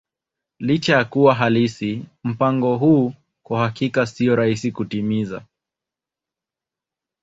Licha ya kuwa halisi, mpango huu kwa hakika sio rahisi kutimiza.